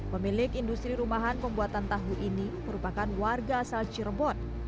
pemilik industri rumahan pembuatan tahu ini merupakan warga asal cirebon